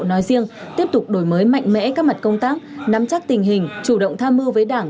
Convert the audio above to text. nói riêng tiếp tục đổi mới mạnh mẽ các mặt công tác nắm chắc tình hình chủ động tham mưu với đảng